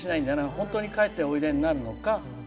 本当に帰っておいでになるのか。